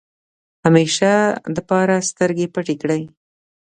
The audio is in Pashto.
همېشه دپاره سترګې پټې کړې ۔